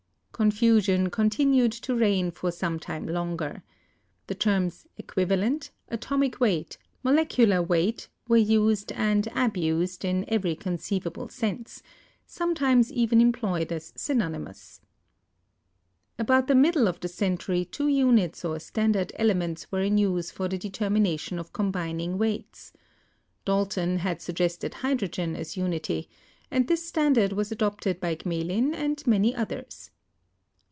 Confusion continued to reign for some time longer. The terms equivalent, atomic weight, molecular weight were used and abused in every conceivable sense; some times even employed as synonymous. About the middle of the century two units or standard elements were in use for the determination of combining weights. Dalton had suggested hydrogen as unity, and this standard was adopted by Gmelin and many others.